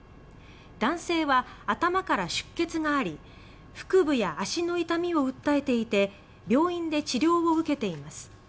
男性は、頭から出血があり腹部や足の痛みを訴えていて病院で治療を受けています。